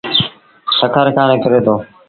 سکر کآݩ نڪري دو۔